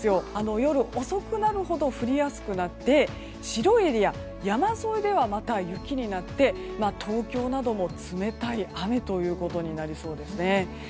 夜遅くなるほど降りやすくなって白いエリア、山沿いではまた雪になって東京なども冷たい雨となりそうですね。